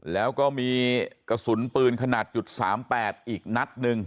แล้วก็มีกระสุนปืนขนาด๓๘อีกนัดหนึ่ง